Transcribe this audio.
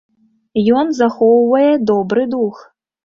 Ён захоўвае добры дух.